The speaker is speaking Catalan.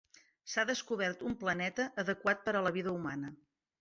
S'ha descobert un planeta adequat per a la vida humana.